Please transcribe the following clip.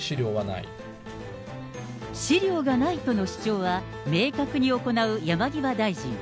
資料がないとの主張は、明確に行う山際大臣。